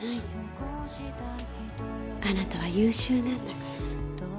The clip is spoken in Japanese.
あなたは優秀なんだから。